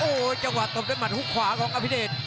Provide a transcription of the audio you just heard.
โอ้โหจังหวะตบด้วยหมัดฮุกขวาของอภิเดช